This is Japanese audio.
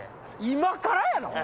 今からやろ！